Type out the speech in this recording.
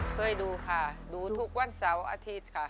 เคยดูค่ะดูทุกวันเสาร์อาทิตย์ค่ะ